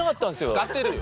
使ってるよ。